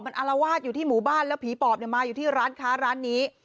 มันอารวาสอยู่ที่หมู่บ้านแล้วผีปอบเนี่ยมาอยู่ที่ร้านค้าร้านนี้